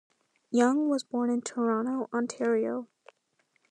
Young was born in Toronto, Ontario.